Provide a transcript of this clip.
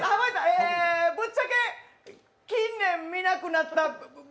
ぶっちゃけ近年見なくなった。